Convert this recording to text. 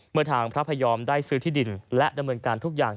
เมื่อทางพระพยอมได้ซื้อที่ดินและดำเนินการทุกอย่าง